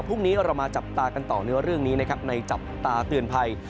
พรุ่งนี้เรามาจับตากันต่อในวันเรื่องนี้ในจับตาเตือนไพร